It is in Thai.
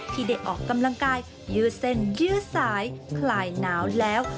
ที่ได้ออกกำลังกายยืดเส้นยืดสายคลายหนาวแล้ว